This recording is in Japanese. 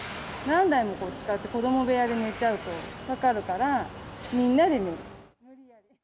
何台も使って子ども部屋で寝ちゃうとかかるから、みんなで寝る。